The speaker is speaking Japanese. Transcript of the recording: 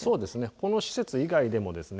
この施設以外でもですね